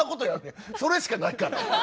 それしかないから。